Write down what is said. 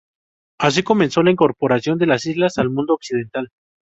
Así comenzó la incorporación de las islas al mundo occidental.